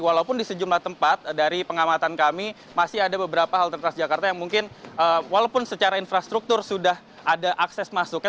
walaupun di sejumlah tempat dari pengamatan kami masih ada beberapa halte transjakarta yang mungkin walaupun secara infrastruktur sudah ada akses masuknya